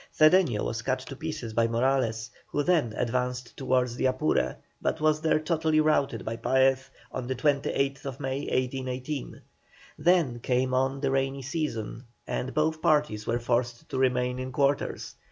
Cedeño was cut to pieces by Morales, who then advanced towards the Apure, but was there totally routed by Paez on the 28th May, 1818. Then came on the rainy season, and both parties were forced to remain in quarters.